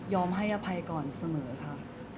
ให้อภัยก่อนเสมอค่ะ